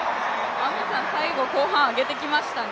アムサン、最後、後半上げてきましたね。